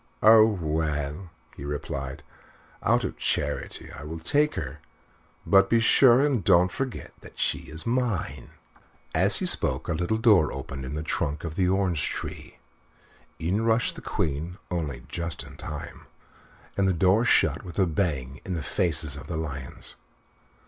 "Oh! well," he replied, "out of charity I will take her; but be sure and don't forget that she is mine." As he spoke a little door opened in the trunk of the orange tree, in rushed the Queen, only just in time, and the door shut with a bang in the faces of the lions.